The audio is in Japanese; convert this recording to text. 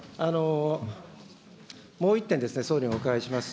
もう一点、総理にお伺いします。